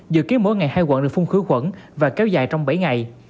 dự kiến mỗi ngày hai quận được phun khử khuẩn và kéo dài trong bảy ngày